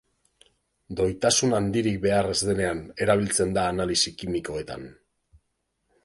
Doitasun handirik behar ez denean erabiltzen da analisi kimikoetan.